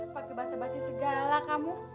pak dibasa basi segala kamu